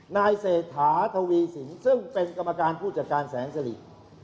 นายเศรษฐาทวีสินซึ่งเป็นกรรมการผู้จัดการแสนสิริ